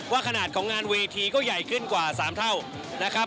ขนาดของงานเวทีก็ใหญ่ขึ้นกว่า๓เท่านะครับ